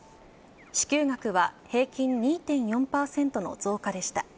支給額は平均２．４％の増加でした。